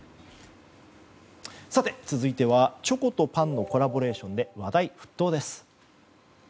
続いてはチョコとパンのコラボレーションで話題沸騰です。